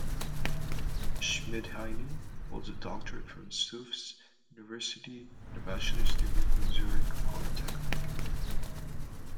Schmidheiny holds a doctorate from Tufts University and a bachelor's degree from Zurich Polytechnic.